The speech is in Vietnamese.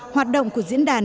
hoạt động của diễn đàn